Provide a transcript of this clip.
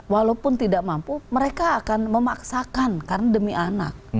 walaupun tidak mampu mereka akan memaksakan karena demi anak